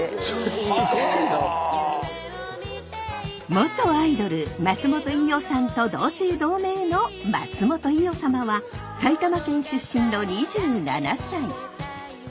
元アイドル松本伊代さんと同姓同名の松本伊代サマは埼玉県出身の２７歳。